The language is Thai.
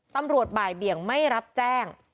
ตำรวจบ่ายเบี่ยงไม่รับแจ้ง